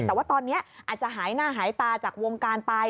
แต่ว่าตอนนี้อาจจะหายหน้าหายตาจากวงการไป